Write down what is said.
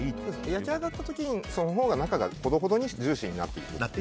召し上がった時に、そのほうが中がほどほどにジューシーに。